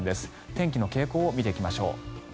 天気の傾向を見ていきましょう。